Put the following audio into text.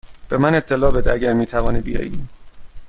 به من اطلاع بده اگر می توانی بیایی.